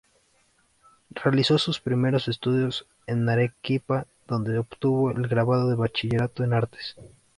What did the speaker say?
Realizó sus primeros estudios en Arequipa, donde obtuvo el grado de Bachillerato en Artes.